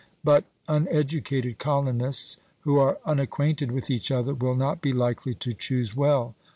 But uneducated colonists, who are unacquainted with each other, will not be likely to choose well.